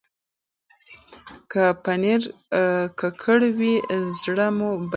که پنېر ککړ وي، زړه مو بد کېږي.